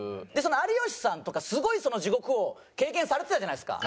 有吉さんとかすごいその地獄を経験されてたじゃないですか。